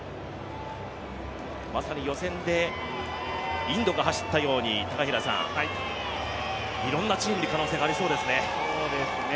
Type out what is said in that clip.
まさに予選でインドが走ったようにいろんなチームに可能性がありそうですね。